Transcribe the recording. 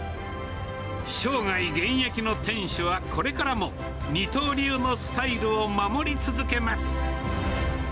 生涯現役の店主は、これからも二刀流のスタイルを守り続けます。